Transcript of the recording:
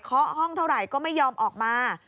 ห้องเท่าไหร่ก็ไม่ยอมออกมา